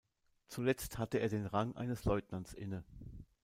Zuletzt hatte er den Rang eines Leutnants inne.